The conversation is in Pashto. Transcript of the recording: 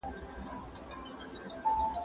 زه مخکي سبزیحات تيار کړي وو؟